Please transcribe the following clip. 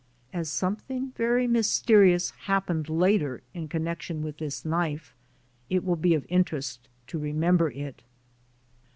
As something v^ery mysterious happened later in connection with this knife, it will be of interest to remember it.